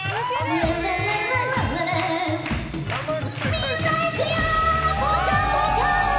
みんな！いくよ！